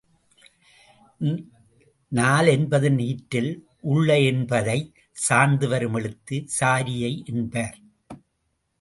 நால் என்பதின் ஈற்றில் உள்ள உ என்பதைச் சார்த்துவரும் எழுத்து சாரியை என்பர்.